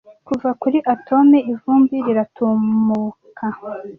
kuva kuri atome ivumbi riratumaka